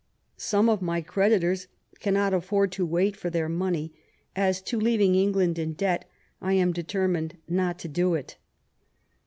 ... Some of my creditors cannot afford to wait for their money ; as to leaying England in debt, I am determined not to do it.